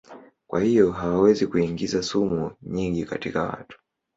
Kwa hivyo hawawezi kuingiza sumu nyingi katika watu.